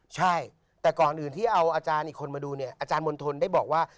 ใช่แต่ก่อนอื่นที่เอาอาจารย์อีกคนมาดูเนี่ยอาจารย์มณฑลได้บอกว่า